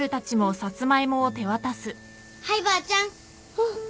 あっ。